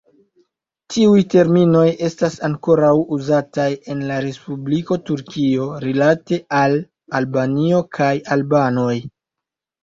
Tiuj terminoj estas ankoraŭ uzataj en la Respubliko Turkio rilate al Albanio kaj albanoj.